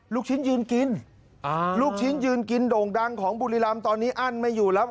ลูกชิ้นยืนกินลูกชิ้นยืนกินโด่งดังของบุรีรำตอนนี้อั้นไม่อยู่แล้ว